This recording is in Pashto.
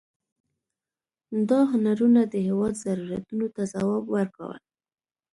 دا هنرونه د هېواد ضرورتونو ته ځواب ورکاوه.